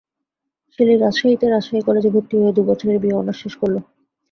Shelley রাজশাহীতেই রাজশাহী কলেজে ভর্তি হয়ে দু-বছরের বিএ অনার্স শেষ করল।